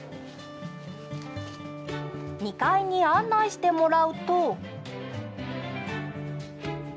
２階に案内してもらうと。